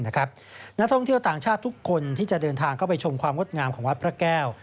นักท่องเที่ยวต่างชาติทุกคนที่จะเดินทางเข้าไปชมความงดงามของวัดพระแก้ว